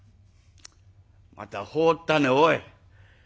また放ったねおい。